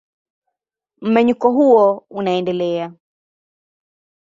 Mmenyuko huo unaendelea.